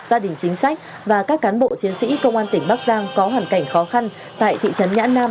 gia đình chính sách và các cán bộ chiến sĩ công an tỉnh bắc giang có hoàn cảnh khó khăn tại thị trấn nhã nam